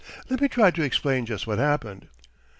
Let me try to explain just what happened.